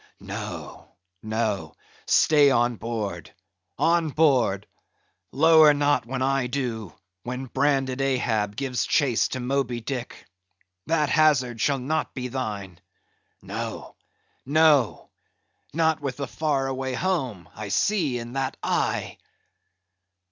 No, no; stay on board, on board!—lower not when I do; when branded Ahab gives chase to Moby Dick. That hazard shall not be thine. No, no! not with the far away home I see in that eye!"